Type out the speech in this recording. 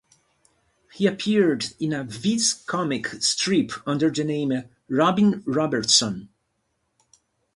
He appeared in a "Viz comic" strip under the name Robin Robertson.